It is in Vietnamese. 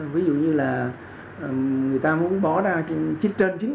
ví dụ như là người ta muốn bỏ ra trên chín tỷ